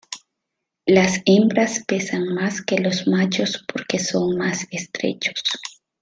Las hembras pesan más que los machos porque son más estrechos.